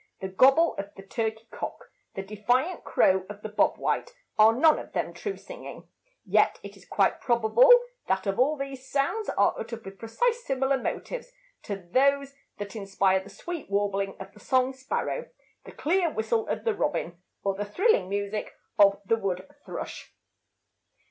The gobble of the turkey cock, the defiant crow of the "bob white," are none of them true singing; yet it is quite probable that all of these sounds are uttered with precisely similar motives to those that inspire the sweet warbling of the song sparrow, the clear whistle of the robin, or the thrilling music of the wood thrush.